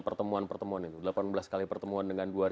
pertemuan pertemuan itu delapan belas kali pertemuan dengan